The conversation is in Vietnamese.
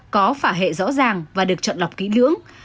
có phả hệ rõ ràng và được chọn lọc kỹ lưỡng